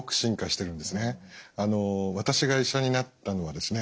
私が医者になったのはですね